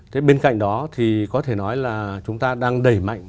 thế bên cạnh đó thì có thể nói là chúng ta đang đẩy mạnh